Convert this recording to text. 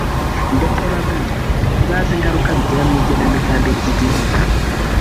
ndetse bamwe ngo ntibazi ingaruka bigira mu igenamigambi ry’igihugu